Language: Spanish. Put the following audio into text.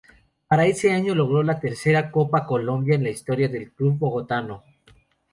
Para ese año logró la tercera Copa Colombia en la historia del club bogotano.